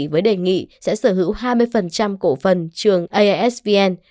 với đề nghị sẽ sở hữu hai mươi cổ phần trường asvn